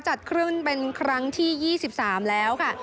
จัดขึ้นเป็นครั้งที่๒๓แล้วค่ะ